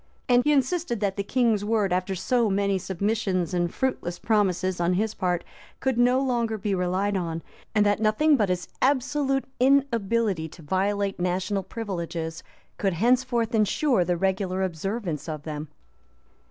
And he insisted that the king's word, after so many submissions and fruitless promises on his part, could no longer be relied on; and that nothing but his absolute inability to violate national privileges could henceforth insure the regular observance of them. * M.